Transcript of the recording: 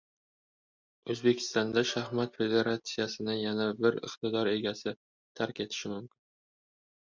O‘zbekiston shaxmat federatsiyasini yana bir iqtidor egasi tark etishi mumkin